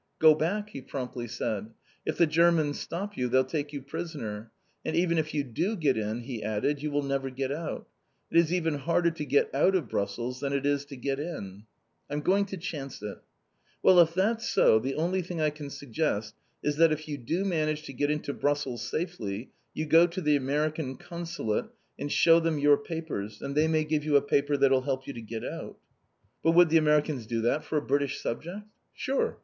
"Go back," he promptly said. "If the Germans stop you, they'll take you prisoner. And even if you do get in," he added, "you will never get out! It is even harder to get out of Brussels than it is to get in." "I'm going to chance it!" "Well, if that's so, the only thing I can suggest is that if you do manage to get into Brussels safely, you go to the American Consulate, and shew them your papers, and they may give you a paper that'll help you to get out." [Illustration: PASSPORT FROM THE AUSTRALIAN HIGH COMMISSIONER.] "But would the Americans do that for a British subject?" "Sure!